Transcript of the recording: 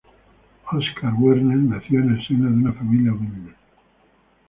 Oskar Werner nació en el seno de una familia humilde.